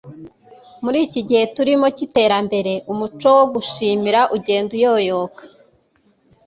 muri iki gihe turimo cy'iterambere, umuco wo gushimira ugenda uyoyoka